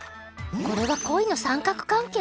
これは恋の三角関係！？